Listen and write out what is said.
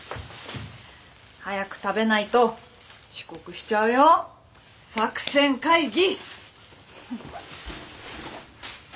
早く食べないと遅刻しちゃうよ作戦会議！